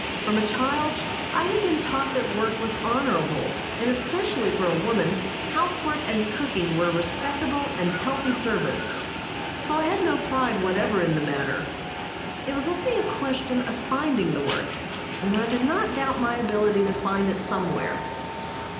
From a child I had been taught that work was honorable, and especially for a woman housework and cooking were respectable and healthy service. So I had no pride whatever in the matter; it was only a question of finding the work, and I did not doubt my ability to find it somewhere.